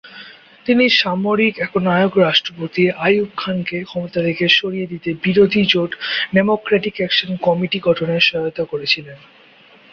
তিনি সামরিক একনায়ক রাষ্ট্রপতি আইয়ুব খানকে ক্ষমতা থেকে সরিয়ে দিতে বিরোধী জোট ডেমোক্র্যাটিক অ্যাকশন কমিটি গঠনে সহায়তা করেছিলেন।